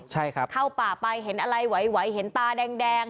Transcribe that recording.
ใช่ครับเข้าป่าไปเห็นอะไรไหวเห็นตาแดง